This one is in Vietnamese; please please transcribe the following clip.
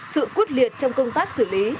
sự quyết liệt trong công tác xử lý